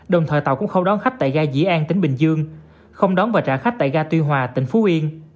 đồng thời tàu cũng không đón khách tại ga dĩ an tỉnh bình dương không đón và trả khách tại ga tuy hòa tỉnh phú yên